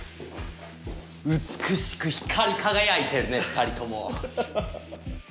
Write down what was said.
美しく光り輝いてるね２人とも。